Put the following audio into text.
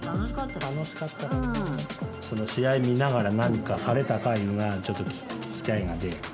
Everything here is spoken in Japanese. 試合見ながら何かされたかいうのがちょっと聞きたいので。